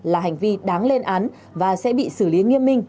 là hành vi đáng lên án và sẽ bị xử lý nghiêm minh